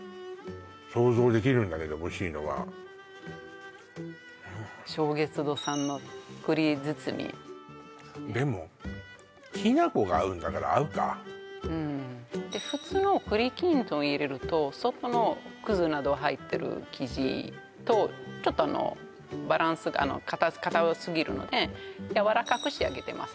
想像できるんだけどおいしいのは松月堂さんの栗苞でもきな粉が合うんだから合うかうん普通の栗きんとん入れると外の葛など入ってる生地とちょっとあのバランスかたすぎるのでやわらかく仕上げてます